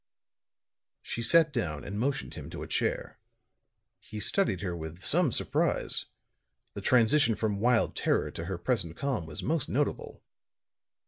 She sat down and motioned him to a chair; he studied her with some surprise; the transition from wild terror to her present calm was most notable.